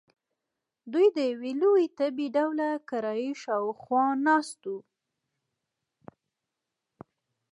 دوی د یوې لویې تبۍ ډوله کړایۍ شاخوا ناست وو.